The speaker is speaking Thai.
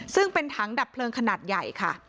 ซึ่งเป็นถังดับเพลิงขนาดใหญ่ค่ะ